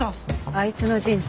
あいつの人生